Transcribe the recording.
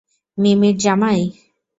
মিমি- র জামাই?